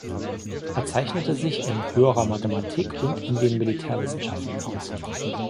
Er zeichnete sich in höherer Mathematik und in den Militärwissenschaften aus.